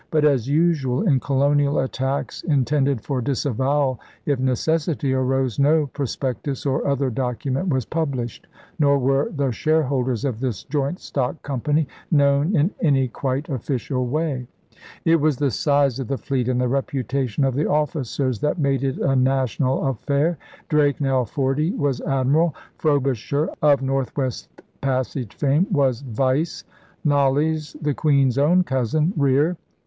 But, as usual in colonial attacks in tended for disavowal if necessity arose, no pros pectus or other document was published, nor were the shareholders of this joint stock company known in any quite official way. It was the size of the fleet and the reputation of the officers that made it a national affair. Drake, now forty, was 'Admiral'; Frobisher, of North West Passage fame, was 'Vice'; Knollys, the Queen's own cousin, 'Rear.'